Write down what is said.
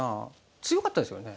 強かったですよね。